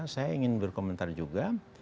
saya ingin berkomentar juga